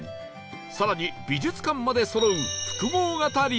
更に美術館までそろう